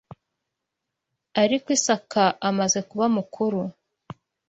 Ariko Isaka amaze kuba mukuru